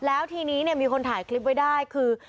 แล้วทีนี้มีคนถ่ายคลิปไว้ได้คือ